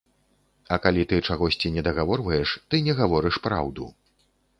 А калі ты чагосьці недагаворваеш, ты не гаворыш праўду.